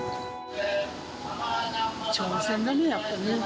挑戦だね、やっぱりね。